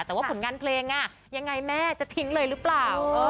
แต่ว่าผลงานเพลงยังไงแม่จะทิ้งเลยหรือเปล่า